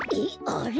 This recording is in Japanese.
あれ？